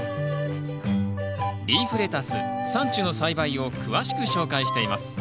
リーフレタスサンチュの栽培を詳しく紹介しています。